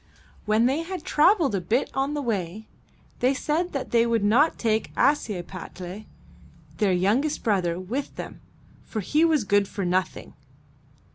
When they had traveled a bit on the way, they said that they would not take Ashiepattle, their young est brother, with them, for he was good for nothing.